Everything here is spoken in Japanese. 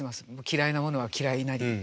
「嫌ひなものは嫌ひなり」。